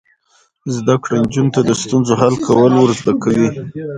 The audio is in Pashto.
زده کړه نجونو ته د ستونزو حل کول ور زده کوي.